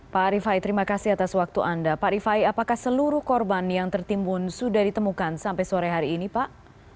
pak rifai terima kasih atas waktu anda pak rifai apakah seluruh korban yang tertimbun sudah ditemukan sampai sore hari ini pak